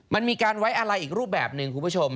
มันมีการไว้อะไรอีกรูปแบบหนึ่งคุณผู้ชม